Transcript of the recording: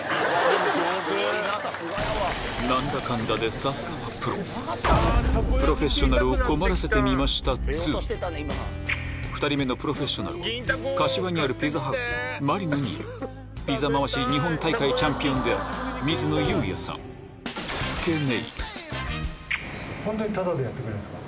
何だかんだで２人目のプロフェッショナルは柏にあるピザハウスマリノにいるピザ回し日本大会チャンピオンでホントにタダでやってくれるんですか？